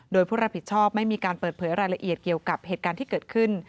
โดยผู้รับผิดชอบไม่มีการเปิดเผยรายละเอียดเกี่ยวกับเหตุการณ์ที่เกิดขึ้น